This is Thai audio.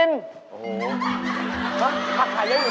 ตำบลบางเจ้าชาจังหวัด